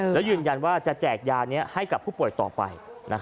แล้วยืนยันว่าจะแจกยานี้ให้กับผู้ป่วยต่อไป